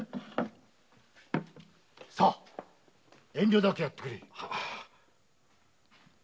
さあ遠慮なくやってくれ。